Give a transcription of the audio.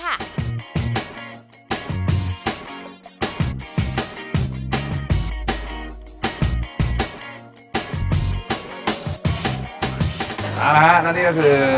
ความโดดเด็ดและไม่เหมือนใครค่ะ